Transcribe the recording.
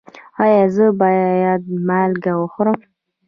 ایا زه باید مالګه وخورم؟